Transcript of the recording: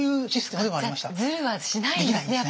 ズルはしないんですね